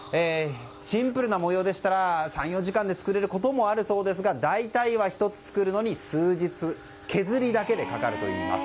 シンプルな模様でしたら３４時間で作れることもあるそうですが大体は１つ作るのに数日、削りだけでかかるといいます。